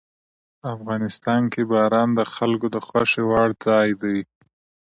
افغانستان کې باران د خلکو د خوښې وړ ځای دی.